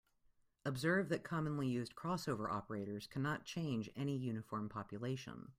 Observe that commonly used crossover operators cannot change any uniform population.